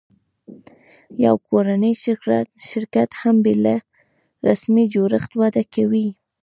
یو کورنی شرکت هم بېله رسمي جوړښت وده کوي.